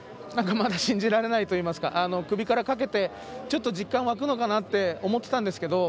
まだ信じられないといいますか首からかけて、実感湧くのかなって思っていたんですけど